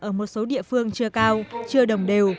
ở một số địa phương chưa cao chưa đồng đều